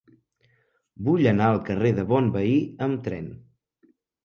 Vull anar al carrer de Bonveí amb tren.